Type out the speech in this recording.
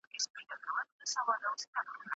مرکزي کتابتون په چټکۍ نه ارزول کیږي.